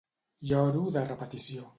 Lloro de repetició.